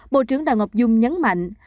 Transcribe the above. bộ trưởng đào ngọc dung nhấn mạnh